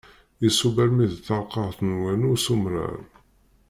Isubb almi d talqaɛt n wanu s umrar.